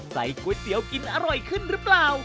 ก๋วยเตี๋ยวกินอร่อยขึ้นหรือเปล่า